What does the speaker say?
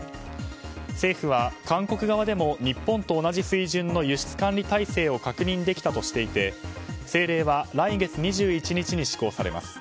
政府は、韓国側でも日本と同じような水準の輸出管理体制を確認できたとしていて政令は来月２１日に施行されます。